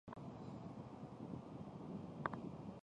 自此美国联邦政府出现廿多次次资金短缺。